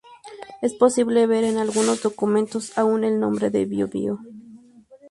Es posible ver en algunos documentos aun el nombre de "Biobío".